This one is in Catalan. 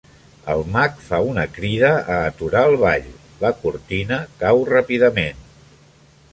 El mag fa una crida a aturar el ball; la cortina cau ràpidament.